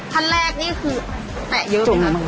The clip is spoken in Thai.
ท่านแรกนี่คือแปะเยอะไปก่อน